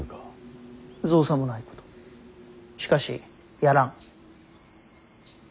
しかしやらん。